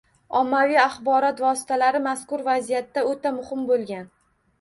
Ommaviy axborot vositalari mazkur vaziyatda o‘ta muhim bo‘lgan